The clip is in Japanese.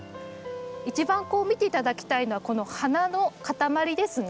一番見て頂きたいのはこの花のかたまりですね。